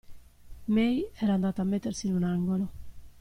May era andata a mettersi in un angolo.